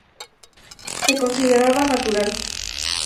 Se consideraba natural.